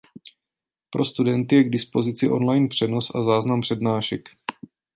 Pro studenty je k dispozici online přenos a záznam přednášek.